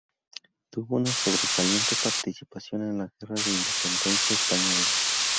Tuvo una sobresaliente participación en la Guerra de Independencia española.